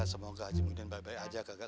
semoga haji kemudian baik baik aja kakak